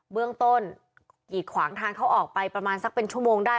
เบื้องต้นกีดขวางทางเขาออกไปประมาณสักเป็นชั่วโมงได้